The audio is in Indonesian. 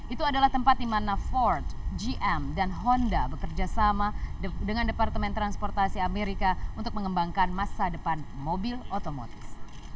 itu adalah tempat di mana ford gm dan honda bekerja sama dengan departemen transportasi amerika untuk mengembangkan masa depan mobil otomotif